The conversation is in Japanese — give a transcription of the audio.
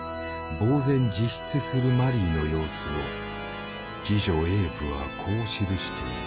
自失するマリーの様子を次女エーヴはこう記している。